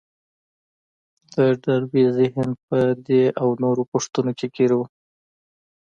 د ډاربي ذهن په دې او نورو پوښتنو کې ګير و.